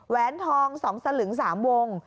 แวนทอง๒สลึง๓วง